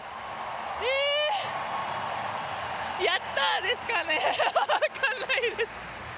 え、やった！ですかね、分かんないです。